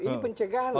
ini pencegahan loh